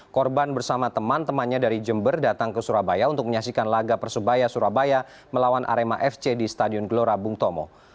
korban bersama teman temannya dari jember datang ke surabaya untuk menyaksikan laga persebaya surabaya melawan arema fc di stadion gelora bung tomo